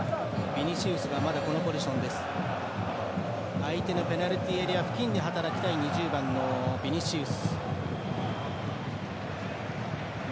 相手のペナルティーエリア付近で働きたい２０番のビニシウス。